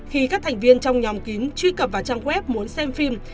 khi các thành viên trong nhóm kín truy cập vào trang web muốn xem phim